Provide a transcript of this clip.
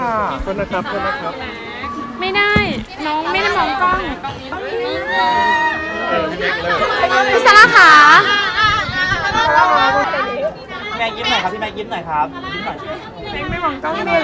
อะไรกัน